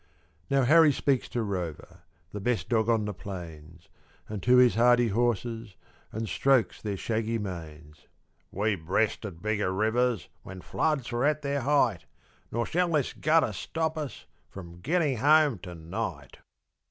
Now Harry speaks to Rover, The best dog on the plains; And to his hardy horses, And strokes their shaggy manes; "We've breasted bigger rivers When floods were at their height, Nor shall this gutter stop us From getting home to night!"